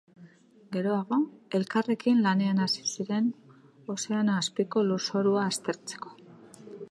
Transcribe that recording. Geroago, elkarrekin lanean hasi ziren ozeano azpiko lurzorua aztertzeko.